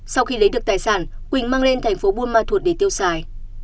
sau khi lấy được tài sản quỳnh mang lên thành phố buôn ma thuột để tiêu xài